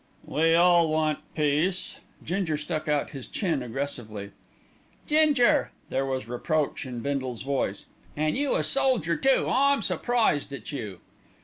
"We all want peace." Ginger stuck out his chin aggressively. "Ginger!" there was reproach in Bindle's voice, "an' you a soldier too, I'm surprised at you!"